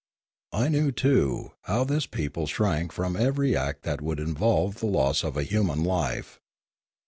I knew, too, how this people shrank from every act that would involve the loss of a human life.